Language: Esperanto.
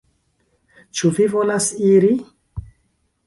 Ĉu vi volas iri?